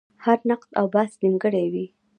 هر نقد او بحث نیمګړی وي.